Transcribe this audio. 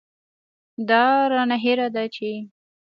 دا رانه هېره ده چې.